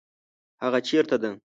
هغه چیرته ده؟